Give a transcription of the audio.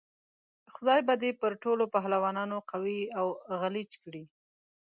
خدای به دې پر ټولو پهلوانانو قوي او غلیچ کړي.